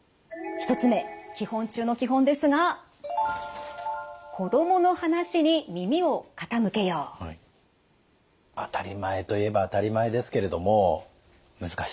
１つ目基本中の基本ですが当たり前といえば当たり前ですけれども難しいですよ。